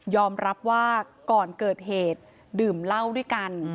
รับว่าก่อนเกิดเหตุดื่มเหล้าด้วยกัน